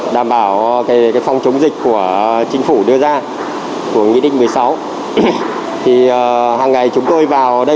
đảm bảo phòng chống dịch của chính phủ đưa ra của nghị định một mươi sáu hàng ngày chúng tôi vào đây